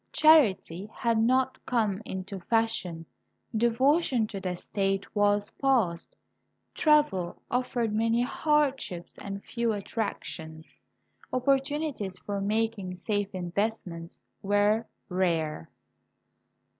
Char ity had not come into fashion, devotion to the state was past, travel offered many hardships and few attractions, opportu nities for making safe investments were rare.